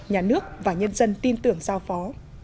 nhà nước và nhân dân tin tưởng giao phó